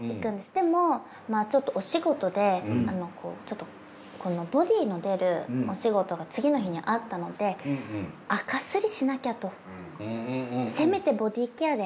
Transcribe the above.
でもちょっとお仕事でこうちょっとボディーの出るお仕事が次の日にあったのでせめてボディーケアで。